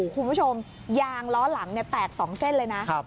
คุณผู้ชมยางล้อหลังแตก๒เส้นเลยนะ